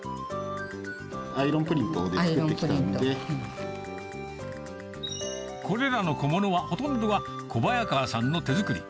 アイロンプリントを作ってきこれらの小物は、ほとんどが小早川さんの手作り。